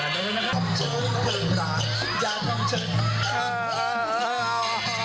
อย่าเหยียบเท้ากันนะ